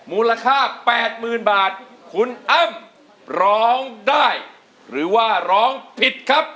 มูลค่า๘๐๐๐บาทคุณอ้ำร้องได้หรือว่าร้องผิดครับ